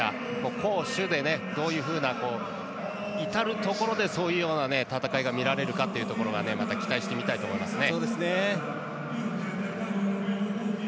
攻守でどういうふうな至る所で、そういうような戦いが見られるかっていうのがまた期待して見たいと思いますね。